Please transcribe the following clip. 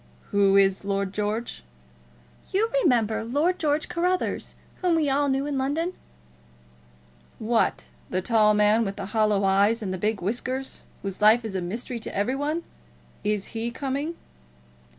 "Who is Lord George?" "You remember Lord George Carruthers, whom we all knew in London?" "What, the tall man with the hollow eyes and the big whiskers, whose life is a mystery to every one? Is he coming?"